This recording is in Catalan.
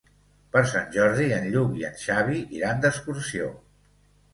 Per Sant Jordi en Lluc i en Xavi iran d'excursió.